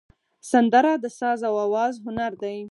سندره د ساز او آواز هنر دی